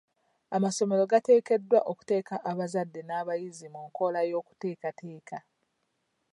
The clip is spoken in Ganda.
Amasomero gateekeddwa okuteeka abazadde n'abayizi mu nkola y'okuteekateeka.